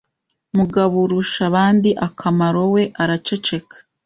Mugaburushabandi akamaro we araceceka